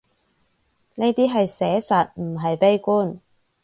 呢啲係寫實，唔係悲觀